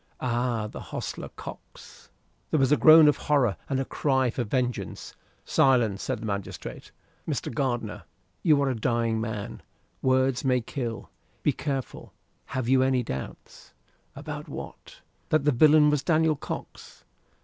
"Ay. The hostler, Cox." There was a groan of horror and a cry for vengeance. "Silence," said the magistrate. "Mr. Gardiner, you are a dying man. Words may kill. Be careful. Have you any doubts?" "About what?" "That the villain was Daniel Cox."